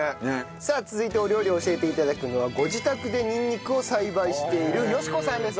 さあ続いてお料理を教えて頂くのはご自宅でにんにくを栽培している嘉子さんです。